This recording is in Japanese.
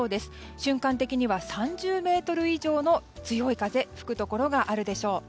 瞬間的には３０メートル以上の強い風が吹くところがあるでしょう。